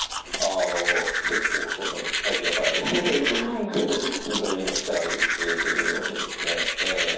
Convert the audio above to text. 結構最近はかなり筋トレにも力を入れているようでですねええ。